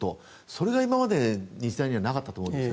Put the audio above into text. それが今まで日大にはなかったと思うんです。